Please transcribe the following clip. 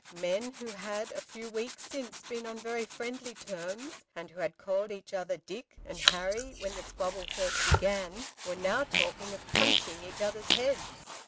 Men who had a few weeks since been on very friendly terms, and who had called each other Dick and Harry when the squabble first began, were now talking of "punching" each other's heads.